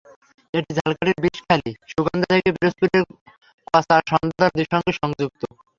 এটি ঝালকাঠির বিষখালী, সুগন্ধা থেকে পিরোজপুরের কচা, সন্ধ্যা নদীর সঙ্গে সংযুক্ত।